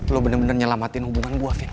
lo bener bener nyelamatin hubungan gue kayak